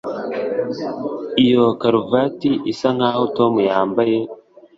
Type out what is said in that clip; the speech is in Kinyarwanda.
iyo karuvati isa nkaho tom yambaye